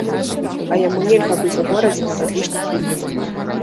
А яму нельга быць у горадзе нават лішняй хвіліны.